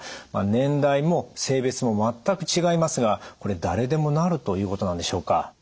年代も性別も全く違いますがこれ誰でもなるということなんでしょうか？